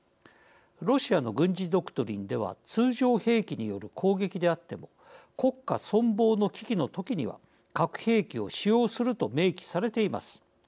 ロシアの軍事ドクトリンでは通常兵器による攻撃であっても国家存亡の危機の時には核兵器を使用すると明記されています。